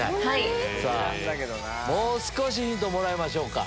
もう少しヒントもらいましょうか。